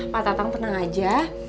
pak tatang tenang aja